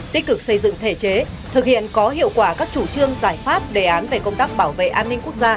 tích cực xây dựng thể chế thực hiện có hiệu quả các chủ trương giải pháp đề án về công tác bảo vệ an ninh quốc gia